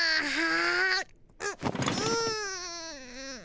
うん。